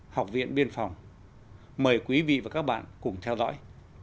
học viện biên phòng mời quý vị và các bạn cùng theo dõi